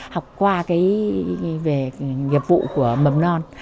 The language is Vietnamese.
học qua cái về nghiệp vụ của mầm non